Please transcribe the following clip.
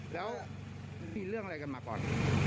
แล้วมีเรื่องอะไรกันมาก่อน